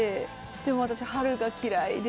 でも私春が嫌いで。